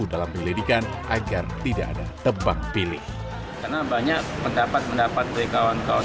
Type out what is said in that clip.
dalam penyelidikan agar tidak ada tebang pilih karena banyak pendapat pendapat dari kawan kawan